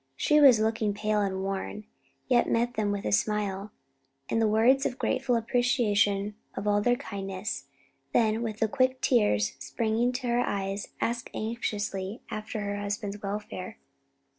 She was looking pale and worn, yet met them with a smile, and words of grateful appreciation of all their kindness, then, with the quick tears springing to her eyes, asked anxiously after her husband's welfare.